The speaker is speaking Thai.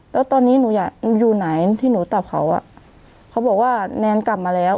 แล้วตอนนี้หนูอยากอยู่ไหนที่หนูตอบเขาอ่ะเขาบอกว่าแนนกลับมาแล้ว